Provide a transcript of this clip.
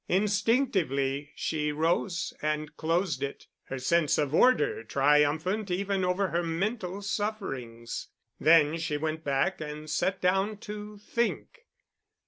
Instinctively she rose and closed it, her sense of order triumphant even over her mental sufferings. Then she went back and sat down to think.